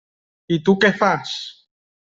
I tu què fas?